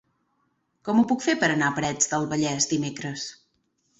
Com ho puc fer per anar a Parets del Vallès dimecres?